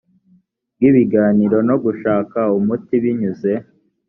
bw ibiganiro no gushaka umuti binyuze